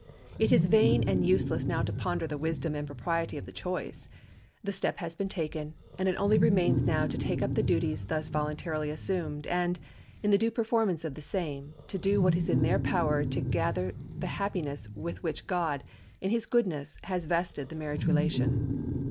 It is vain and useless now to ponder the wisdom and propriety of the choice. The step has been taken, and it only remains now to take up the duties thus voluntarily assumed, and, in the due performance of the same, do what is in their power to gather the happiness with which God, in his goodness, has invested the marriage relation.